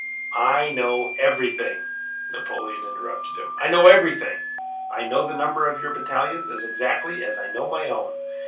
"I know everything!" Napoleon interrupted him. "I know everything. I know the number of your battalions as exactly as I know my own.